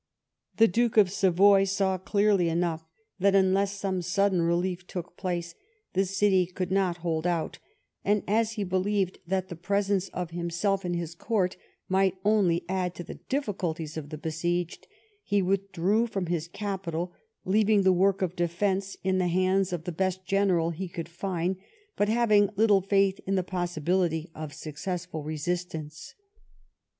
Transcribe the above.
The Duke of Savoy saw clearly enough that unless some sudden relief took place the city could not hold out, and as he believed that the presence of himself and his court might only add to the difficulties of the besieged, he withdrew from his capital, leaving the work of defence in the hands of the best general he could find, but having little faith in the possibility of successful resistance.